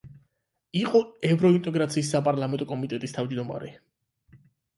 იყო ევროინტეგრაციის საპარლამენტო კომიტეტის თავმჯდომარე.